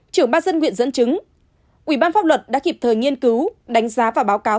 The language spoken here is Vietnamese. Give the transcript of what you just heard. trưởng ban dân nguyện dẫn chứng ủy ban pháp luật đã kịp thời nghiên cứu đánh giá và báo cáo